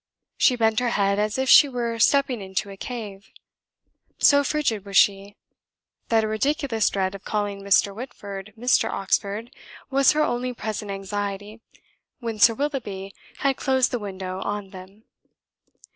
She bent her head as if she were stepping into a cave. So frigid was she, that a ridiculous dread of calling Mr. Whitford Mr. Oxford was her only present anxiety when Sir Willoughby had closed the window on them.